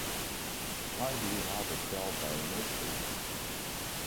Why do we have a tale by nature?